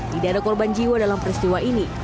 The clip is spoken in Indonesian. tidak ada korban jiwa dalam peristiwa ini